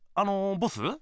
ボス？